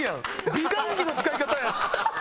美顔器の使い方やん！